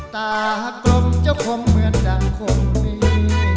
ตากลมเจ้าคงเหมือนดังคงมี